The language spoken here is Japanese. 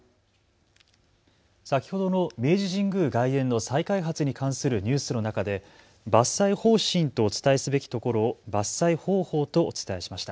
先ほどの明治神宮外苑の再開発に関するニュースの中で伐採方針とお伝えすべきところを伐採方法とお伝えしました。